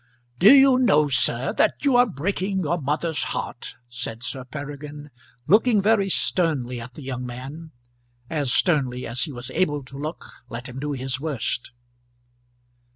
"Do you know, sir, that you are breaking your mother's heart?" said Sir Peregrine, looking very sternly at the young man as sternly as he was able to look, let him do his worst.